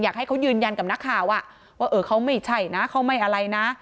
อยากให้เขายืนยันกับนักข่าวว่าเออเขาไม่ใช่นะเขาไม่อะไรนะ